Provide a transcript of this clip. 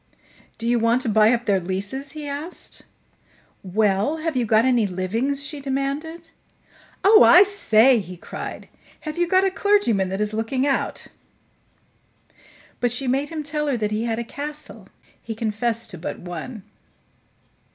"Do you want to buy up their leases?" he asked. "Well, have you got any livings?" she demanded. "Oh, I say!" he cried. "Have you got a clergyman that is looking out?" But she made him tell her that he had a castle; he confessed to but one.